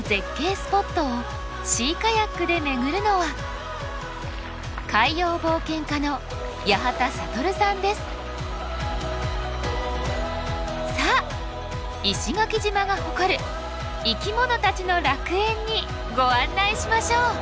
スポットをシーカヤックで巡るのはさあ石垣島が誇る生き物たちの楽園にご案内しましょう！